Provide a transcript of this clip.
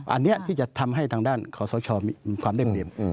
อันนี้ที่จะทำให้ทางด้านขอสชมีความเต็ม